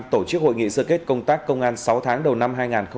tổ chức hội nghị sơ kết công tác công an sáu tháng đầu năm hai nghìn hai mươi ba